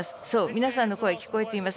皆さんの声聞こえています。